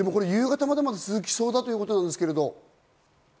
夕方まで続きそうだということですけど？